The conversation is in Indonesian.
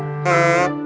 tuh ya ini